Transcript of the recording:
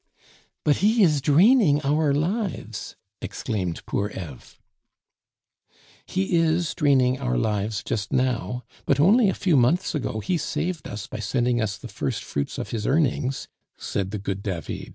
"But he is draining our lives!" exclaimed poor Eve. "He is draining our lives just now, but only a few months ago he saved us by sending us the first fruits of his earnings," said the good David.